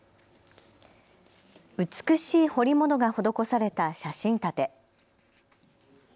美しい彫り物が施された写真立て。